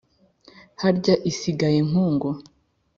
harya isigaye nkungu